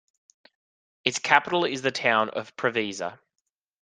Its capital is the town of Preveza.